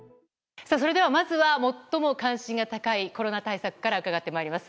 それでは、まずは最も関心が高いコロナ対策から伺ってまいります。